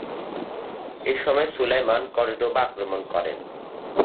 এসময় Sulayman Cordoba আক্রমণ করেন।